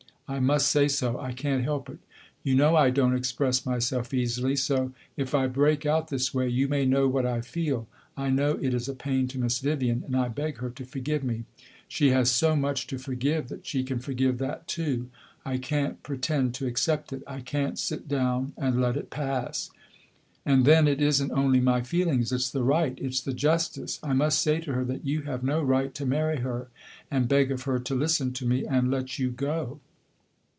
I must say so; I can't help it. You know I don't express myself easily; so, if I break out this way, you may know what I feel. I know it is a pain to Miss Vivian, and I beg her to forgive me. She has so much to forgive that she can forgive that, too. I can't pretend to accept it; I can't sit down and let it pass. And then, it is n't only my feelings; it 's the right; it 's the justice. I must say to her that you have no right to marry her; and beg of her to listen to me and let you go."